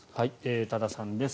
多田さんです。